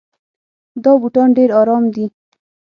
دا بوټان ډېر ارام دي.